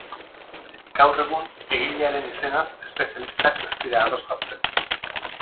Gaur egun egilearen izenaz espezialistak ez dira ados jartzen.